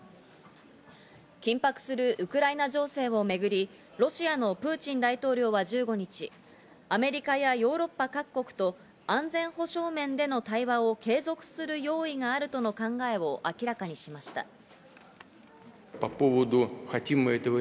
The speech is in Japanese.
緊迫するウクライナ情勢をめぐり、ロシアのプーチン大統領は１５日、アメリカやヨーロッパ各国と安全保障面での対話を継続する用意があるとの考えを明らかにしました。